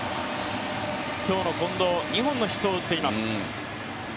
今日の近藤２本のヒットを打っています。